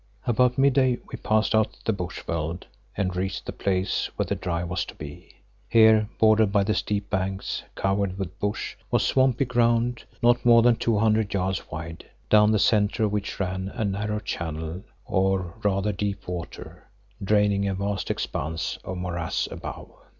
About midday we passed out of the bush veld and reached the place where the drive was to be. Here, bordered by steep banks covered with bush, was swampy ground not more than two hundred yards wide, down the centre of which ran a narrow channel of rather deep water, draining a vast expanse of morass above.